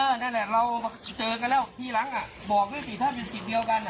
เออนั่นแหละเราเจอกันแล้วทีหลังอ่ะบอกนี่สิถ้าเป็นสิ่งเดียวกันอ่ะ